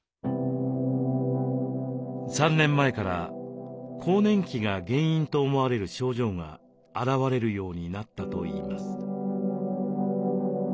３年前から更年期が原因と思われる症状が現れるようになったといいます。